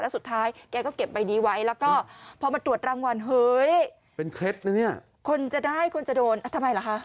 แล้วสุดท้ายแกก็เก็บใบนี้ไว้แล้วก็พอมาตรวจรางวัลเฮ้ยคนจะได้คนจะโดนทำไมล่ะคะ